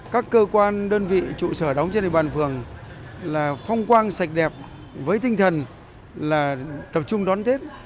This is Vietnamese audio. các cơ quan đơn vị trụ sở đóng trên địa bàn phường là phong quang sạch đẹp với tinh thần là tập trung đón tết